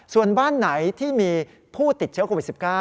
ส่วนบ้านไหนที่มีผู้ติดเชื้อโควิด๑๙